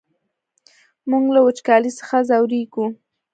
موږ له وچکالۍ څخه ځوريږو!